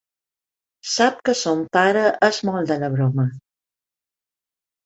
Sap que son pare és molt de la broma.